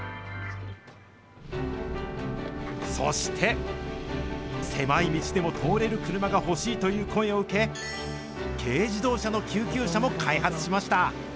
そして狭い道でも通れる車が欲しいという声を受け、軽自動車の救急車も開発しました。